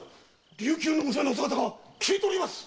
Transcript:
琉球の娘の姿が消えております‼